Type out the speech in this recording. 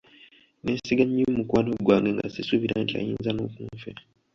Nneesiga nnyo mukwano gwange nga sisuubira nti ayinza n'okunfera.